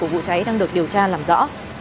vụ cháy đang được điều tra làm rõ